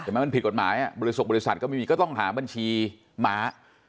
มันผิดกฎหมายบริษัทก็ไม่มีก็ต้องหาบัญชีม้า